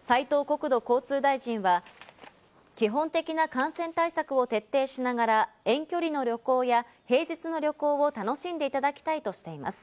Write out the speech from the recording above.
斉藤国土交通大臣は基本的な感染対策を徹底しながら、遠距離の旅行や平日の旅行を楽しんでいただきたいとしています。